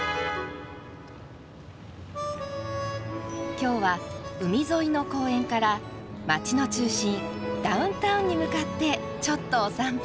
今日は海沿いの公園から街の中心ダウンタウンに向かってちょっとお散歩です。